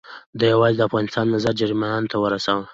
ده یوازې د افغانستان نظر جرمنیانو ته ورساوه.